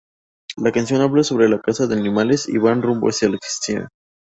La canción habla sobre la caza de animales, y van rumbo hacia la extinción.